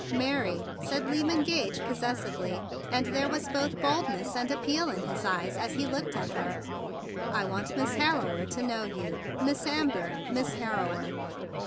"Mary," said Lyman Gage posses¬ sively, and there were both boldness and appeal in his eyes as he looked at her, "I want Miss Harrower to know you; Miss Amber, Miss Harrower."